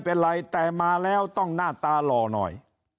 เดี๋ยวมาแล้วต้องหน้าตาหล่อหน่อย